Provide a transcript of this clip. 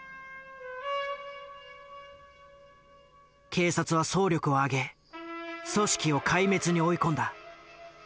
警察は総力を挙げ組織を壊滅に追い込んだ。